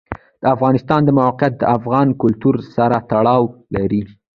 د افغانستان د موقعیت د افغان کلتور سره تړاو لري.